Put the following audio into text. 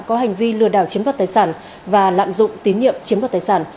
có hành vi lừa đảo chiếm bắt tài sản và lạm dụng tín nhiệm chiếm bắt tài sản